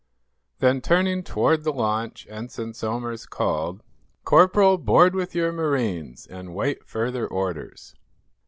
Then, turning toward the launch, Ensign Somers called: "Corporal, board with your marines, and wait further orders."